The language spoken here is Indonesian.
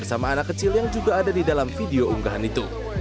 mane juga mencari teman kecil yang juga ada di dalam video unggahan itu